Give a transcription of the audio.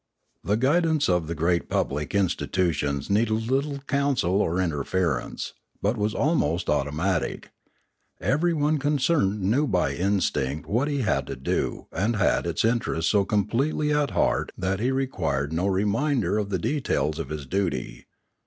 The guidance of the great public institutions needed little counsel or interference, but was almost automatic; everyone concerned knew by instinct what he had to do and had its interests so completely at heart that he required no reminder of the details of his duty.